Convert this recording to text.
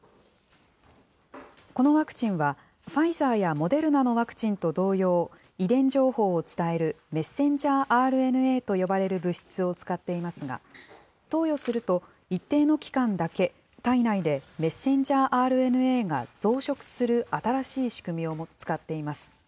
このワクチンは、ファイザーやモデルナのワクチンと同様、遺伝情報を伝えるｍＲＮＡと呼ばれる物質を使っていますが、投与すると一定の期間だけ体内でｍＲＮＡが増殖する新しい仕組みを使っています。